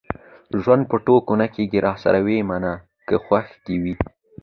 ژوند په ټوکو نه کېږي. راسره ويې منه که خوښه دې وي.